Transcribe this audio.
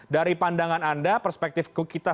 dari pandangan anda perspektif kita